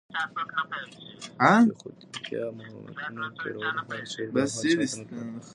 بېخوبتیا، محرومیتونه تېرول، هېر چېرته او هر چاته نه تلل،